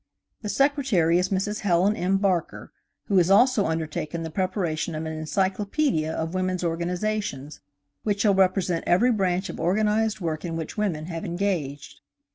The secretary is Mrs Helen M. Barker, who has also undertaken the preparation of an encyclopædia of women's organizations which shall represent every branch of organized work in which women have engaged.